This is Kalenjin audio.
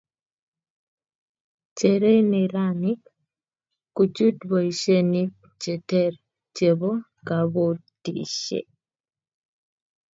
cherei neranik kuchut boisionik che ter chebo kabotisie